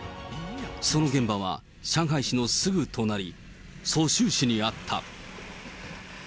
その現場は、上海市のすぐ隣、蘇州市にあった。